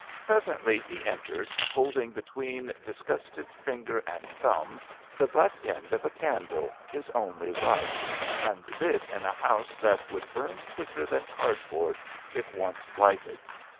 Presently he entered, holding between disgusted finger and thumb the butt end of a candle, his only light, and this in a house that would bum quicker than cardboard if once lighted.